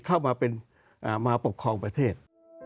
เข้ามาปกครองประเทศ